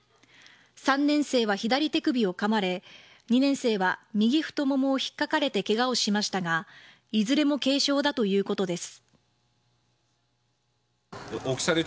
３年生は左手首をかまれ２年生は右太ももを引っかかれてケガをしましたがいずれも軽傷だということです。